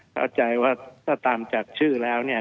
เข้าใจว่าถ้าตามจากชื่อแล้วเนี่ย